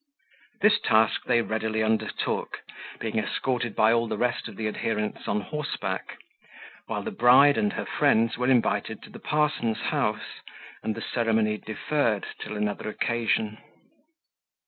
This task they readily undertook, being escorted by all the rest of his adherents on horseback; while the bride and her friends were invited to the parson's horse, and the ceremony deferred till another occasion.